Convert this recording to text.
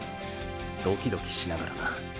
ドキドキしながらな。